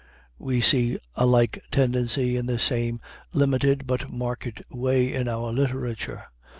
We see a like tendency in the same limited but marked way in our literature.